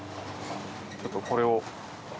ちょっとこれを。